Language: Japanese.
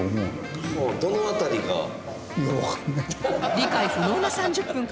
理解不能な３０分かも